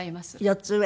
４つ上ね。